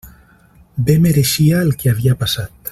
Bé mereixia el que havia passat.